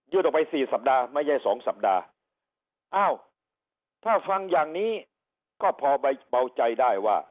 ออกไปสี่สัปดาห์ไม่ใช่สองสัปดาห์อ้าวถ้าฟังอย่างนี้ก็พอเบาใจได้ว่า